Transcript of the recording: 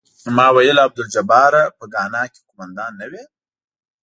ما ویل عبدالجباره په ګانا کې قوماندان نه وې.